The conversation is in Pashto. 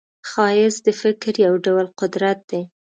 ښایست د فکر یو ډول قدرت دی